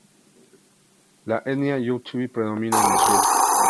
La etnia yoruba predomina en sur.